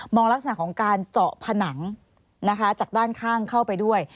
ลักษณะของการเจาะผนังนะคะจากด้านข้างเข้าไปด้วย